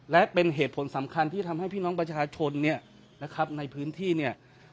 และเป็นเหตุผลสำคัญที่ทำให้พี่น้องประชาชนเนี่ยนะครับในพื้นที่เนี่ย